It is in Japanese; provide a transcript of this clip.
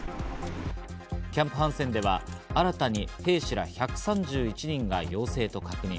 キャンプ・ハンセンでは新たに兵士ら１３１人が陽性と確認。